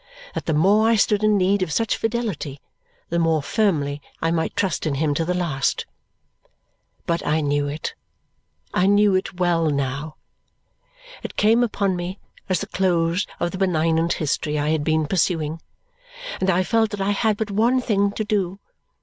That the more I stood in need of such fidelity, the more firmly I might trust in him to the last. But I knew it, I knew it well now. It came upon me as the close of the benignant history I had been pursuing, and I felt that I had but one thing to do.